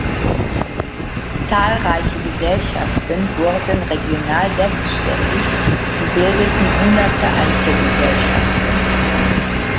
Zahlreiche Gesellschaften wurden regional selbständig und bildeten hunderte Einzelgesellschaften.